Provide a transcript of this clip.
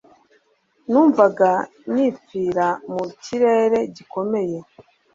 Numvaga nipfira mu kirere gikomeye